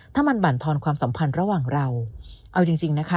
ถ้ามันบรรทอนความสัมพันธ์ระหว่างเราเอาจริงจริงนะคะ